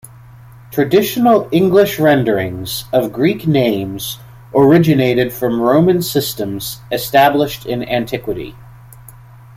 Traditional English renderings of Greek names originated from Roman systems established in antiquity.